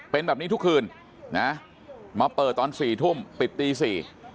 เป็นแบบนี้ทุกคืนนะมาเปิดตอนสี่ทุ่มปิดตีสี่